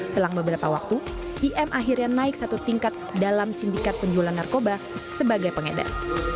selang beberapa waktu im akhirnya naik satu tingkat dalam sindikat penjualan narkoba sebagai pengedar